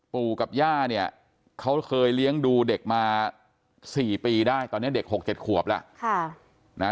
ปู่กับย่าเนี่ยเขาเคยเลี้ยงดูเด็กมา๔ปีได้ตอนนี้เด็ก๖๗ขวบแล้ว